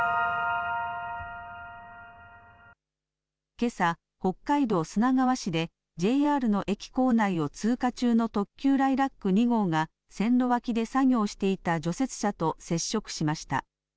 けさ北海道砂川市でＪＲの駅構内を通過中の特急ライラック２号が線路脇で作業していた除雪車と接触しました。